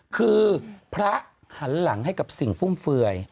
คือพระหันหลังให้กับสิ่งฟุ่มเฟือย